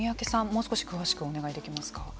もう少し詳しくお願いできますか。